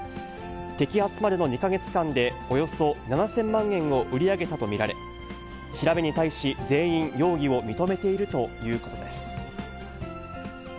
摘発までの２か月間で、およそ７０００万円を売り上げたと見られ、調べに対し、全員、容疑を認めているということです。